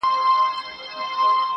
دا ډېوه به ووژنې، ماته چي وهې سترگي_